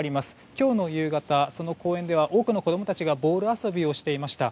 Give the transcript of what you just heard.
今日の夕方、その公園では多くの子供たちがボール遊びをしていました。